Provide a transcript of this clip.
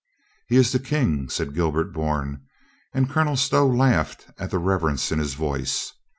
"He is the King," said Gilbert Bourne, and Colonel Stow laughed at the reverence in his voice.